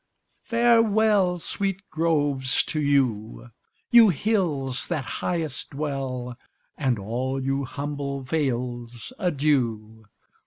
Farewell! Sweet groves, to you! You hills, that highest dwell; And all you humble vales, adieu!